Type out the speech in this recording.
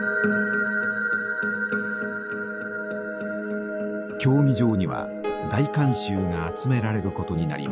競技場には大観衆が集められることになりました。